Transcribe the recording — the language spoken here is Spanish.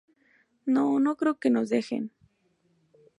no... no creo que nos dejen.